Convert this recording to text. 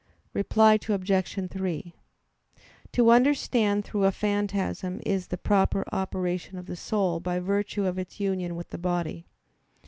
Reply Obj. 3: To understand through a phantasm is the proper operation of the soul by virtue of its union with the body.